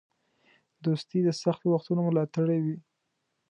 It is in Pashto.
دوستي د سختو وختونو ملاتړی وي.